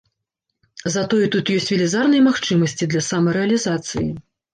Затое тут ёсць велізарныя магчымасці для самарэалізацыі.